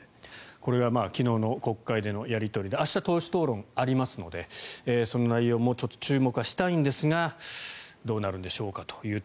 これは昨日の国会でのやり取りで明日、党首討論がありますのでその内容もちょっと注目はしたいんですがどうなるんでしょうかと。